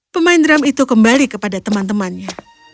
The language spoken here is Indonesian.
pemain drum itu kembali kepada teman temannya